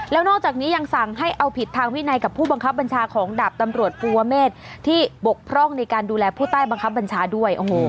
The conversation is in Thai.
แล้วนอกจากนี้ยังสั่งให้เอาผิดทางวินัยกับผู้บังคับบัญชาของดาบตำรวจภูวะเมษที่บกพร่องในการดูแลผู้ใต้บังคับบัญชาด้วย